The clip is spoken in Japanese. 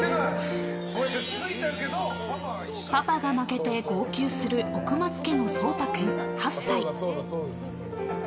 パパが負けて号泣する奥松家の蒼太君、８歳。